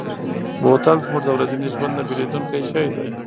بوتل زموږ د ورځني ژوند نه بېلېدونکی شی دی.